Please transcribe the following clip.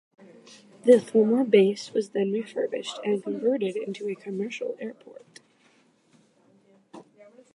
The former base was then refurbished and converted into a commercial airport.